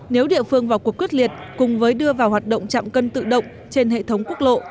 nếu địa phương xuất liệt cùng với đưa vào hoạt động trạm cân tự động trên hệ thống quốc lộ